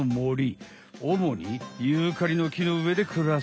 おもにユーカリの木の上でくらす。